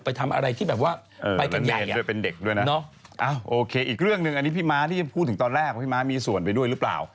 ไปทำอะไรที่แบบว่าไปกันใหญ่